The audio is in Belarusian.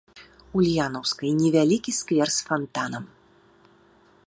Ульянаўскай невялікі сквер з фантанам.